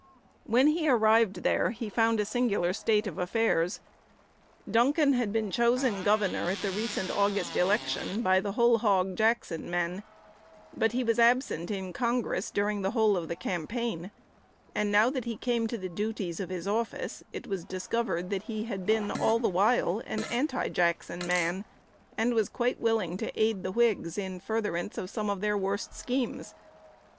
When he arrived there, he found a singular state of affairs. Duncan had been chosen Governor at the recent August election by "the whole hog Jackson men;" but he was absent in Congress during the whole of the campaign; and, now that he came to the duties of his office, it was discovered that he had been all the while an anti Jackson man, and was quite willing to aid the Whigs in furtherance of some of their worst schemes.